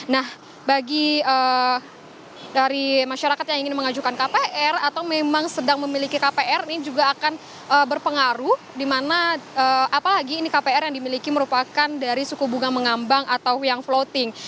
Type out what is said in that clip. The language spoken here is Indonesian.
nah bagi dari masyarakat yang ingin mengajukan kpr atau memang sedang memiliki kpr ini juga akan berpengaruh di mana apalagi ini kpr yang dimiliki merupakan dari suku bunga mengambang atau yang floating